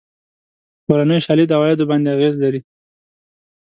کورنۍ شالید عوایدو باندې اغېز لري.